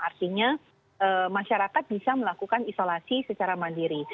artinya masyarakat bisa melakukan isolasi secara mandiri